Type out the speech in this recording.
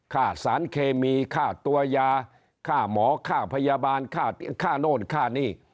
ค่าสารเคมีค่าตัวยาค่าหมอค่าพยาบาลค่าโน่นค่านี่